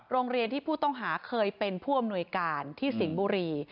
โรงเรียนที่ผู้ต้องหาเคยเป็นผู้อำนวยการที่สิงห์บุรี